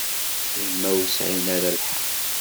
I ma ur sεin ara lḥeqq?